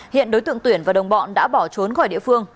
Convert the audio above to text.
hiện đối tượng tuyển và đồng bọn đã bỏ trốn khỏi địa phương